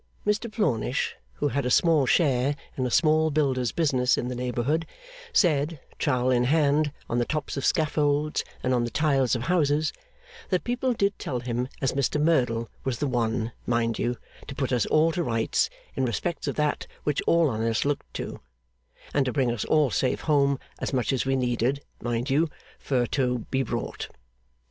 Mr Plornish, who had a small share in a small builder's business in the neighbourhood, said, trowel in hand, on the tops of scaffolds and on the tiles of houses, that people did tell him as Mr Merdle was the one, mind you, to put us all to rights in respects of that which all on us looked to, and to bring us all safe home as much as we needed, mind you, fur toe be brought.